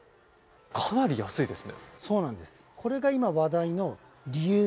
かなり安いですね。